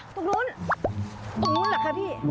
ตรงนู้นตรงนู้นแหละค่ะพี่